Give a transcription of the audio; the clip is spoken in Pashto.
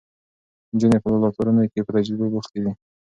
نجونې په لابراتوارونو کې په تجربو بوختې دي.